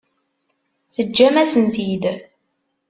Teǧǧam-asen-tt-id?